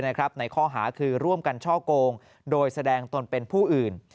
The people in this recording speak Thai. ในข้อหาคือร่วมกันช่อโกงโดยแสดงตนเป็นผู้อื่น